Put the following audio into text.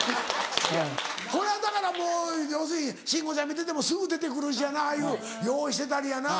これはだからもう要するに慎吾ちゃん見ててもすぐ出て来るしやなああいう用意してたりやな。